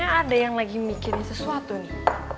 karena ada yang lagi mikirin sesuatu nih